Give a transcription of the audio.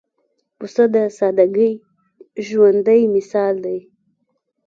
پسه د سادګۍ ژوندى مثال دی.